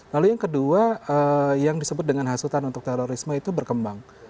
lalu yang kedua yang disebut dengan hasutan untuk terorisme itu berkembang